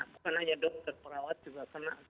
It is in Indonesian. karena dokter perawat juga kena